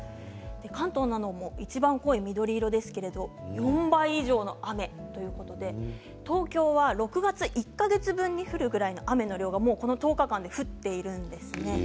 関東などもいちばん濃い緑色ですけれど４倍以上の雨ということで東京は６月１か月分に降るぐらいの雨が１０日間に降っているんですね。